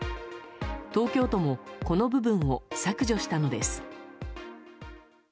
東京都もこの部分を削除したのです。